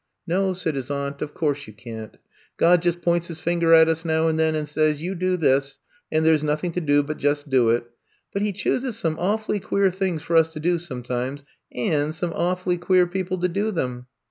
*^No,'* said his aunt, of course you can 't. God just points His fingor at us now and then and says, *You do this,' and there 's nothing to do but just do it. But He chooses some awfully queer things for us to do sometimes and some awfully queer people to do them."